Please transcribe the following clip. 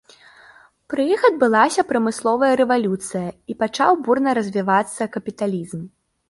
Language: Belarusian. Пры іх адбылася прамысловая рэвалюцыя і пачаў бурна развівацца капіталізм.